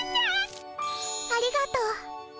ありがとう。